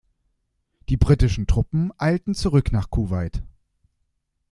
Die britischen Truppen eilten zurück nach Kuwait.